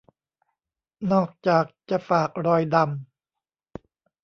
นอกจากจะฝากรอยดำ